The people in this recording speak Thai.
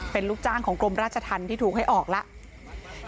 เป็นลูกจ้างของกรมราชธรรมที่ถูกให้ออกแล้ว